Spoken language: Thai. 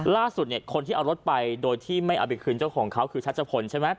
ล่าสุดเนี่ยคนที่เอารถไปโดยที่ไม่เอาไปคืนเจ้าของเขาคือชัชพลใช่ไหม